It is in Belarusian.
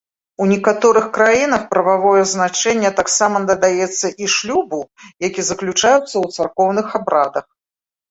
У некаторых краінах прававое значэнне таксама надаецца і шлюбу, які заключаецца ў царкоўных абрадах.